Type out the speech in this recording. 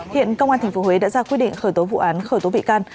hiện công an tp huế đã ra quyết định khởi tố vụ án khởi tố bị can